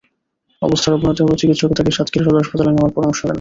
অবস্থার অবনতি হওয়ায় চিকিৎসক তাঁকে সাতক্ষীরা সদর হাসপাতালে নেওয়ার পরামর্শ দেন।